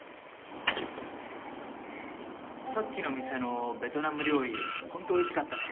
さっきの店のベトナム料理ホントおいしかったね。